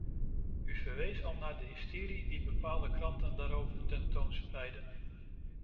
U verwees al naar de hysterie die bepaalde kranten daarover tentoonspreiden.